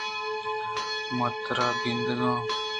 من ترا گندگ ءَ آں